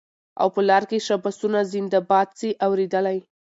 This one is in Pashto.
او په لار کي شاباسونه زنده باد سې اورېدلای